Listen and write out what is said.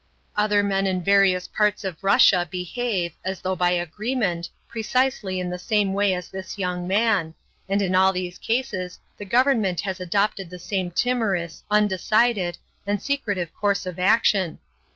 Other men in various parts of Russia behave, as though by agreement, precisely in the same way as this young man, and in all these cases the government has adopted the same timorous, undecided, and secretive course of action.